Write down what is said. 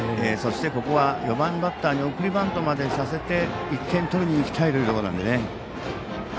そして、ここは４番バッターに送りバントまでさせて１点取りにいきたいというところなので。